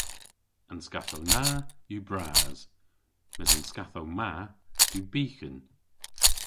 An skathow na yw bras mes an skathow ma yw byghan.